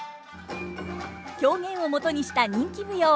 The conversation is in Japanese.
狂言をもとにした人気舞踊。